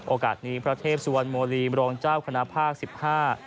โอกาสนี้พระเทพสุวรรณโมลีมรองเจ้าคณะภาคสิบห้า